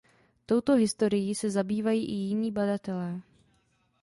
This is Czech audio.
Touto historií se zabývají i jiní badatelé.